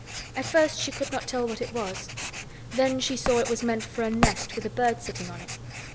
At first she could not tell what it was. Then she saw it was meant for a nest with a bird sitting on it.